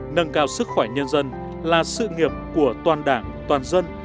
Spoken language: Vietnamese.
nâng cao sức khỏe nhân dân là sự nghiệp của toàn đảng toàn dân